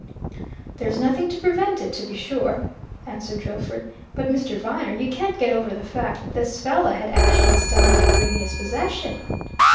"There's nothing to prevent it, to be sure," answered Drillford. "But Mr. Viner, you can't get over the fact that this fellow had Ashton's diamond ring in his possession!"